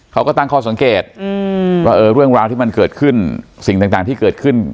เขาก็ตั้งข้อสังเกตว่าเรื่องราวที่มันเกิดขึ้นสิ่งต่างที่เกิดขึ้น